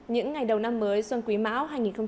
những ngày đầu năm mới xuân quý mão hai nghìn hai mươi